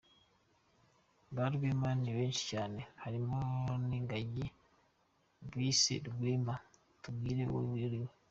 Ba rwema ni benshi cyane harimo n’ingagi bise rwema tubwire uwo uriwe